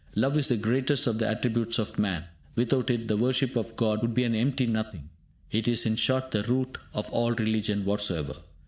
Love is the greatest of the attributes of man. Without it the worship of God would be an empty nothing. It is, in short, the root of all religion whatsoever.